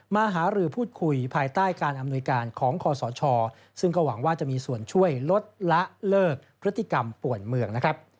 หารือพูดคุยภายใต้การอำนวยการของคอสชซึ่งก็หวังว่าจะมีส่วนช่วยลดละเลิกพฤติกรรมป่วนเมืองนะครับ